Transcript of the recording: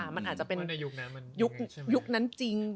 มันอาจจะเป็นยุคนั้นจริง